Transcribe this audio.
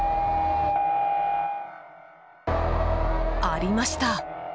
ありました。